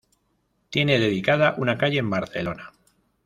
Tiene dedicada una calle en Barcelona.